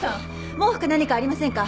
毛布か何かありませんか？